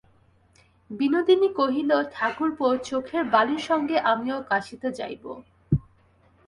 বিনোদিনী কহিল, ঠাকুরপো, চোখের বালির সঙ্গে আমিও কাশীতে যাইব।